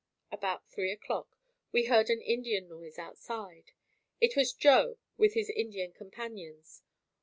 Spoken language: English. About three o'clock, we heard an Indian noise outside. It was Joe with his Indian companions.